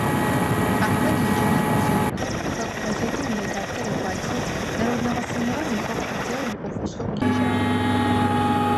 Ахьмэд еджэныр къызеухым, хэку гъэзетым иредактор игуадзэу, народнэ гъэсэныгъэм ихэку отдел иӀофышӀэу лэжьагъэ.